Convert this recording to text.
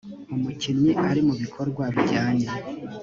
umukinnyi ari mu bikorwa bijyanye